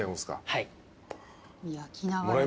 はい。